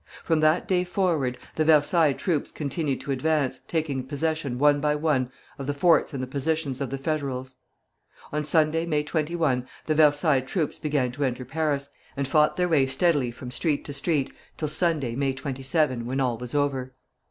From that day forward, the Versailles troops continued to advance, taking possession one by one of the forts and the positions of the Federals. On Sunday, May 21, the Versailles troops began to enter Paris, and fought their way steadily from street to street till Sunday, May 27, when all was over.